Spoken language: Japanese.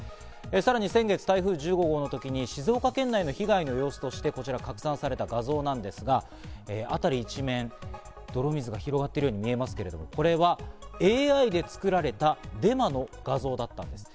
さらに先月、台風１５号の時に静岡県内の被害の様子として、こちらが拡散された画像なんですが、辺り一面、泥水が広がっているように見えますけど、これはＡＩで作られたデマの画像だったんです。